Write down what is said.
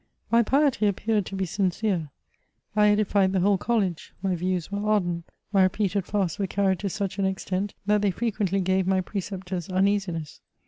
My piety appeared to be sincere; I edified the whole college ; my views were ardent ; my repeated fasts were carried to such an extent, that they frequently gave my pre ceptors uneasiness.